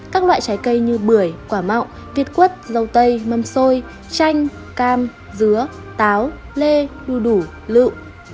các loại trái cây như bưởi quả mọ việt quất rau tây mâm xôi chanh cam dứa táo lê đu đủ lựu